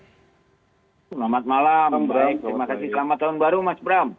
selamat malam baik terima kasih selamat tahun baru mas bram